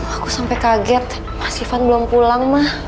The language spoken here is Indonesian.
aku sampai kaget mas ivan belum pulang mah